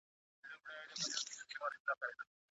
ملا یوازې له خپل ځان سره په خلوت کې ناست دی.